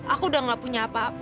aku udah gak punya apa apa